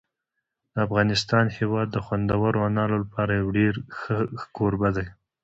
د افغانستان هېواد د خوندورو انارو لپاره یو ډېر ښه کوربه دی.